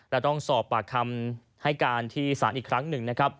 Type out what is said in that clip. และต้องสอบปากคำให้การที่ศาลอีกครั้งหนึ่งนะครับ